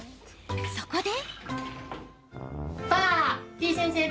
そこで。